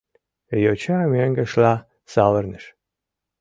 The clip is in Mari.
Йоча мӧҥгешла савырныш.